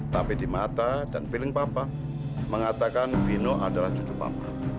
tapi di mata dan feeling papa mengatakan bino adalah cucu papa